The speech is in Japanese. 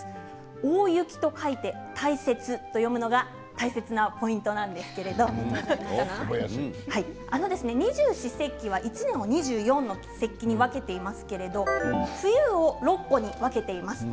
大雪と書いてたいせつと読むのが大切なポイントですけれど二十四節気は１年を２４の節気に分けていますけれど冬を６個に分けています。